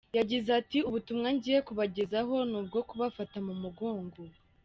Yagize ati “Ubutumwa ngiye kubagezaho ni ubwo kubafata mu mugongo.